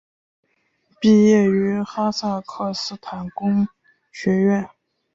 毕业于哈萨克斯坦工学院。